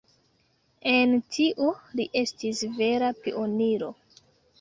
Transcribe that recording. En tio, li estis vera pioniro.